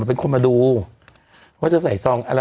มันเป็นคนมาดูเขาจะใส่ซอง